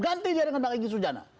ganti dia dengan bang egy sujana